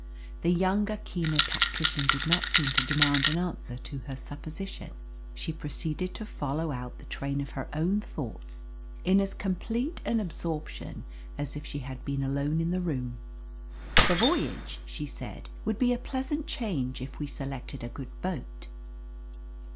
The younger, keener tactician did not seem to demand an answer to her supposition. She proceeded to follow out the train of her own thoughts in as complete an absorption as if she had been alone in the room. "The voyage," she said, "would be a pleasant change if we selected a good boat."